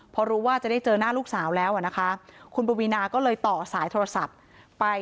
พอรู้ว่าจะได้เจอหน้าลูกสาวแล้วนะคะคุณปวีนาก็เลยต่อสายโทรศัพท์ไป